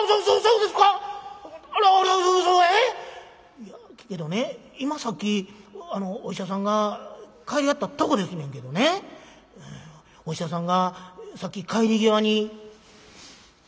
「いやけどね今さっきお医者さんが帰りはったとこですねんけどねお医者さんがさっき帰り際に」。